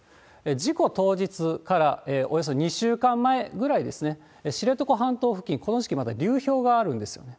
事故当日からおよそ２週間前ぐらいですね、知床半島付近、この時期、まだ流氷があるんですよね。